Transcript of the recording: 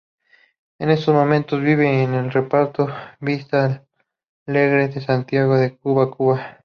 En estos momentos vive en el Reparto Vista Alegre de Santiago de Cuba, Cuba.